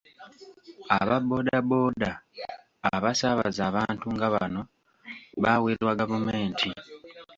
Aba bbooda bbooda abasaabaza abantu nga bano baawerwa gavumenti.